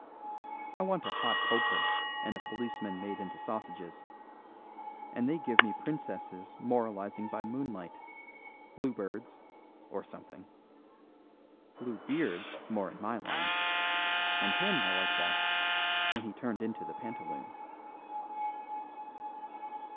I want a hot poker and a policeman made into sausages, and they give me princesses moralising by moonlight, Blue Birds, or something. Blue Beard's more in my line, and him I like best when he turned into the pantaloon."